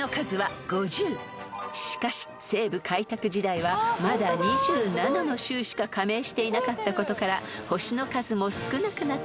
［しかし西部開拓時代はまだ２７の州しか加盟していなかったことから星の数も少なくなっています］